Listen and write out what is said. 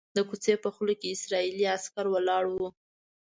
د کوڅې په خوله کې اسرائیلي عسکر ولاړ وو.